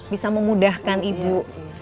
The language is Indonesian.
bisa memudahkan ibu